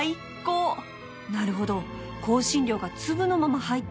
なるほど香辛料が粒のまま入ってるんだ